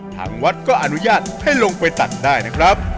ทางวัดก็อนุญาตให้ลงไปตัดได้นะครับ